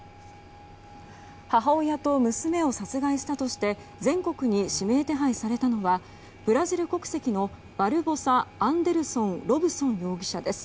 母親と娘を殺害したとして全国に指名手配されたのはブラジル国籍のバルボサ・アンデルソン・ロブソン容疑者です。